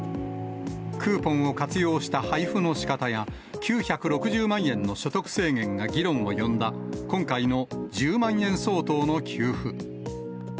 クーポンを活用した配布のしかたや、９６０万円の所得制限が議論を呼んだ今回の１０万円相当の給付。